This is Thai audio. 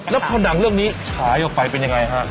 แล้วพอหนังเรื่องนี้ฉายออกไปเป็นยังไงฮะ